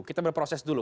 kita berproses dulu